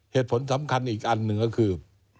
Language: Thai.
เหตุผลสำคัญอีกอันหนึ่งก็คือ